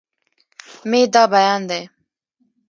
مې دا بيان دی